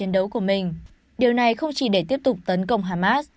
điều này không chỉ để tiếp tục tấn công hamas